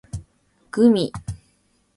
gumi